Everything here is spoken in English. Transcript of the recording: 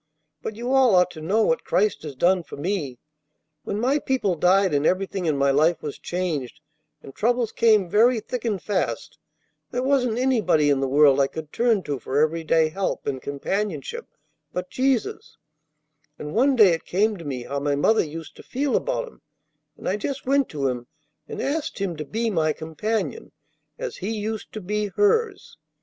But you all ought to know what Christ has done for me. When my people died and everything in my life was changed, and troubles came very thick and fast, there wasn't anybody in the world I could turn to for every day help and companionship but Jesus; and one day it came to me how my mother used to feel about Him, and I just went to Him, and asked Him to be my companion, as He used to be hers.